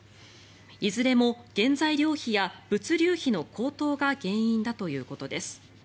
いずれも原材料費や物流費の高騰が原因だということです。